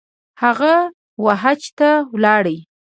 هغه ، وحج ته ولاړی